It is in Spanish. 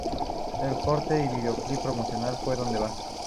El corte y videoclip promocional fue "Donde vas".